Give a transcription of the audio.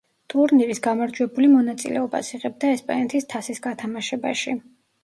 ტურნირის გამარჯვებული მონაწილეობას იღებდა ესპანეთის თასის გათამაშებაში.